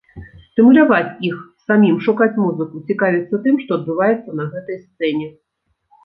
Стымуляваць іх самім шукаць музыку, цікавіцца тым, што адбываецца на гэтай сцэне.